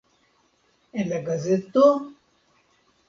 En la gazeto?